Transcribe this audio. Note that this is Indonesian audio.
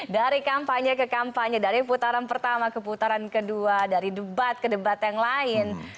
dari kampanye ke kampanye dari putaran pertama ke putaran kedua dari debat ke debat yang lain